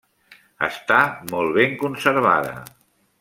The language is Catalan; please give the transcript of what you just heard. Està molt ben conservada.